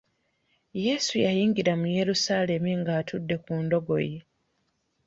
Yesu yayingira mu Yerusaalemi ng'atudde ku ndogoyi.